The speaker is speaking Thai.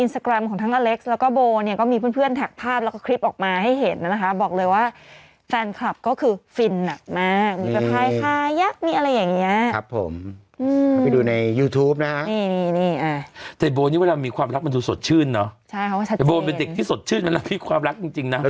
ซึ่งก็มีการข้ามบริการทางเพศหรืออะไรก็อย่างที่ตามหนังน่ะ